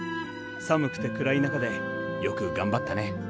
寒くてくらい中でよくがんばったね。